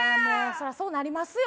そりゃそうなりますよ